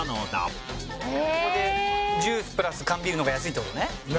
ここでジュースプラス缶ビールの方が安いって事ね。